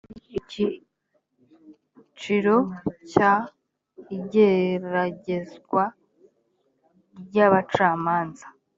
icyiciro cya igeragezwa ry abacamanza